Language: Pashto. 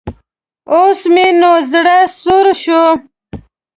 اوس مې نو زړۀ سوړ شو.